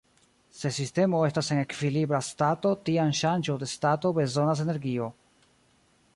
Se sistemo estas en ekvilibra stato tiam ŝanĝo de stato bezonas energio.